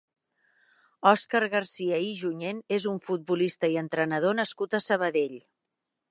Òscar Garcia i Junyent és un futbolista i entrenador nascut a Sabadell.